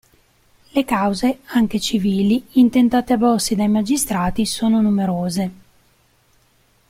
Le cause, anche civili, intentate a Bossi dai magistrati sono numerose.